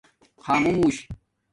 خآمُوش